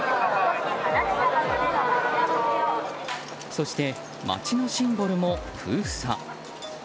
そして、街のシンボルも封鎖。